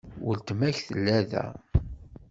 Weltma-k tella da?